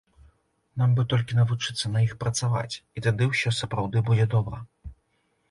Нам бы толькі навучыцца на іх працаваць, і тады ўсё сапраўды будзе добра.